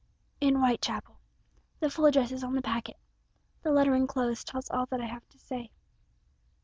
"In Whitechapel. The full address is on the packet. The letter enclosed tells all that I have to say."